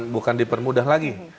bukan dipermudah lagi